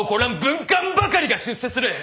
文官ばかりが出世する！